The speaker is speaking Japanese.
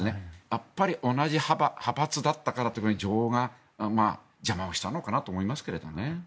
やっぱり同じ派閥だったからということで情が邪魔をしたのかなと思いましたけどね。